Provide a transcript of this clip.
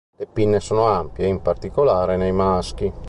Le pinne sono ampie, in particolare nei maschi.